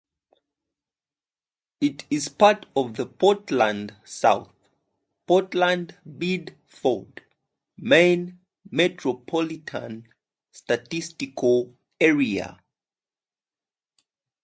It is part of the Portland-South Portland-Biddeford, Maine Metropolitan Statistical Area.